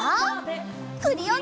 クリオネ！